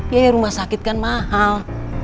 ya rumah sakit kan mahal